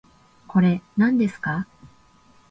これ、なんですか